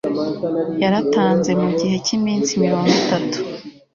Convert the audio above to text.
yaratanze mu gihe cy iminsi mirongo itatu